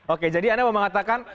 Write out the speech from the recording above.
oke jadi anda mau mengatakan